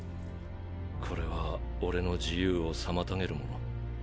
これは俺の自由を妨げるもの。